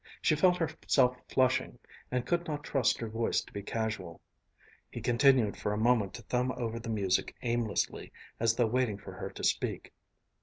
She felt herself flushing, and could not trust her voice to be casual. He continued for a moment to thumb over the music aimlessly, as though waiting for her to speak.